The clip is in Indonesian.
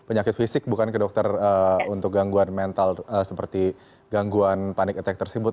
penyakit fisik bukan ke dokter untuk gangguan mental seperti gangguan panic attack tersebut